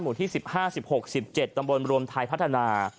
ที่๑๕๑๖๑๗ตำบลรวมไทยพัฒนา